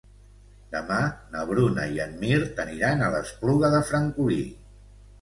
Demà na Bruna i en Mirt aniran a l'Espluga de Francolí.